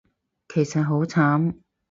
其實好慘